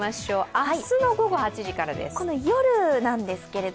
明日の午後８時からです。